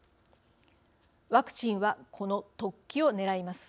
ワクチンはこの突起をねらいます。